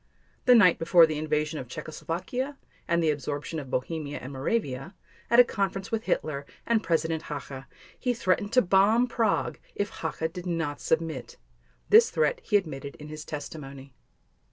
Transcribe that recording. The night before the invasion of Czechoslovakia and the absorption of Bohemia and Moravia, at a conference with Hitler and President Hacha he threatened to bomb Prague if Hacha did not submit. This threat he admitted in his testimony.